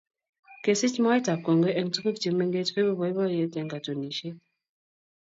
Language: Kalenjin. kesich mwaetab kongoi eng tuguuk che mengeech koibu boiboiyeet eng katunisiet